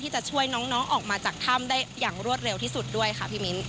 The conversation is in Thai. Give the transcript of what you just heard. จะช่วยน้องออกมาจากถ้ำได้อย่างรวดเร็วที่สุดด้วยค่ะพี่มิ้น